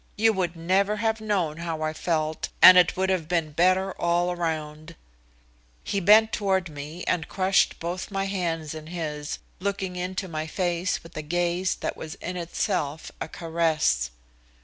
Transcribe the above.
You would never have known how I felt, and it would have been better all around" He bent toward me, and crushed both my hands in his, looking into my face with a gaze that was in itself a caress.